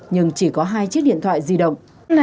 nhưng chỉ có hai chiếc điện thoại di động